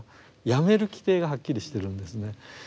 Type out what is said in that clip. やめる規定がはっきりしてるんですね。